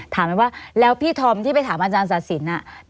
ถามไว้ว่าแล้วพี่ธอมที่ไปถามอาจารย์อาจารย์ศาสตร์ศิลป์